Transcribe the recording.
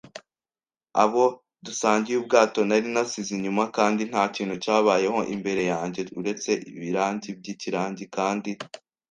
abo dusangiye ubwato nari nasize inyuma, kandi ntakintu cyabayeho imbere yanjye uretse ibiragi byikiragi kandi